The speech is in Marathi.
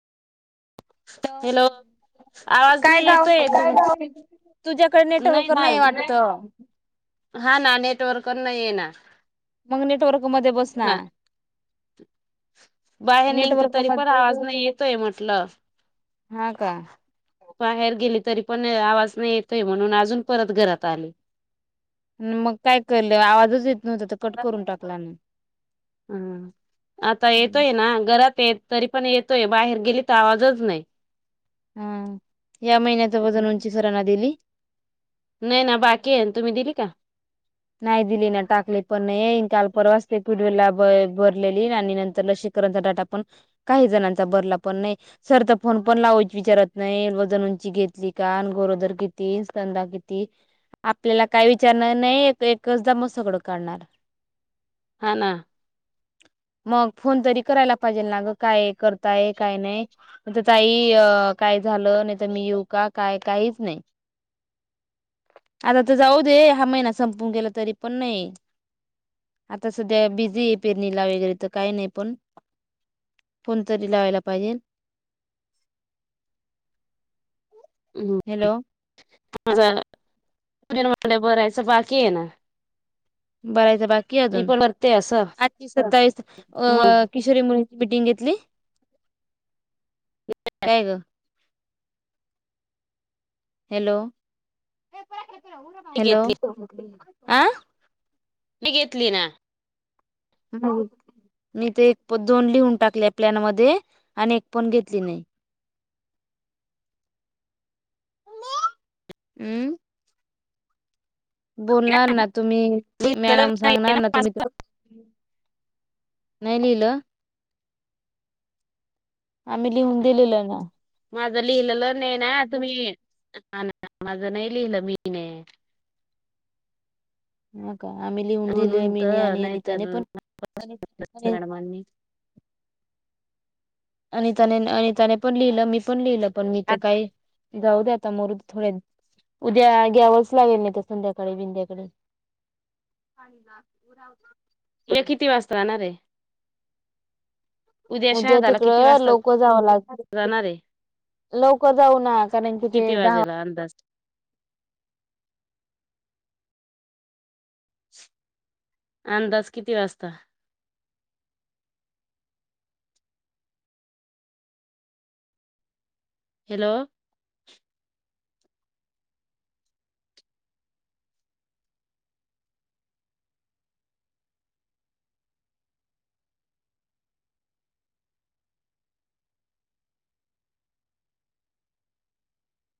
हॅलो हो आवाज काय नाही गाव येतोय तुम तुझ्याकडे नेटवर्कर नाही वाटत. हा ना नेटवर्क नाही ये ना. मग नेटवर्क म ना बसणार, बाहेर निघत नेटवर्क तरी म पण आवाज नाही येतोय म्हटलं, हा का बाहेर गेली तरी पण आवाज नाही येतोय म्हणून अजून परत घरात आले. मग काय करलं आवाजच येत नव्हता तर कट करून टाकला ना. हम आता येतोय ना घरात येत तरी पण येतोय बाहेर गेली तर आवाजच नाही. हम या महिन्याचा बजून उंची सरांना दिली. नाही ना बाकी आहे तुम्ही दिली का? नाही दिली ना टाकले पण नाही येन काल परवाचते, पडवेला भरलेली आणि नंतर लसीकरणचा डाटा पण काही जणांचा भरला पण नाही. सर तर फोन पण लावायची विचारत नाही वजन उंची घेतली का गोरोदर किती स्ंदा किती. आपल्याला काय विचारणार नाही एकचदा मसकडं काढणार. हा ना मग फोन तरी करायला पाहिजेल ना ग काय करताय काय नाही. काई काय झालं नाही तर मी येऊ का काय काहीच नाही. आता तर जाऊ दे हा महिना संपून गेला तरी पण नाही आता सध्या बिझी आहे पेरणीला वगैरे तर काही नाही पण कोणतरी लावायला पाहिजे हम् माझ न म्ह बरायचं बाकी आहे ना बरायचं बाकी मी अजून पण भरते असं आजची सत्तावीस अ मग किशोरी मुली मिीटिंग घेतली काय ग हॅलो हॅलो घेतली आ मी घेतली ना ह मी ते एक पण दोन लिहून टाकले प्लॅन मध्ये आणि एक पण घेतली नाही हम् बोलणार ना तुम्ही मॅडम सांगणार ना तुम्ही तर नाही लिहिलं आम्ही लिहून दिलेलं ना माझं लिहिलंलं नाही ना तुम्ही माझं नाही लिहिलं मी नाही ह का आम्ही लिहून दिल म्हणून मीने तर आणि नाहीतर अनिताने पण मॅडमांनी आणिनिताने अनिताने पण लिहिलं मी पण लिहिलं पण मी तर काय जाऊ द आता मरद थोड्या उद्या घ्यावंच लागेल नाही तर संध्याकाळी बिंध्याकडे पाणी द उ रावत उद्या किती वाजता राहणार आहे उद्या शहादाला किती तिकडं वाजता लोक जावं लागत जाणार आहे लवकर जाऊ ना कारण कि ते किती दहा वाजेला अंदाज अंदाज किती वाजता हॅलो